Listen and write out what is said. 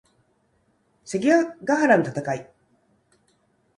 関ヶ原の戦い